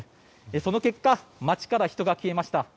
その結果街から人が消えました。